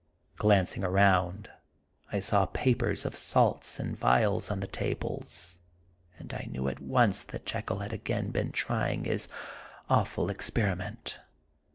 Glancing around, I saw papers of salts and vials on the tables, and I knew at once that Jekyll had again been trying his awful experiment.